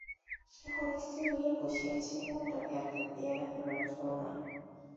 এখন স্থির হইয়া বসিয়াছে, মনটাকে আর চাপিয়া রাখিবার জো নাই।